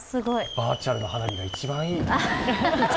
バーチャルな花火が一番いい。